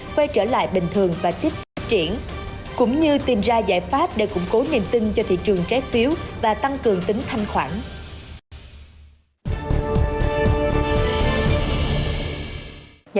quay trở lại bình thường và thích phát triển cũng như tìm ra giải pháp để củng cố niềm tin cho thị trường trái phiếu và tăng cường tính thanh khoản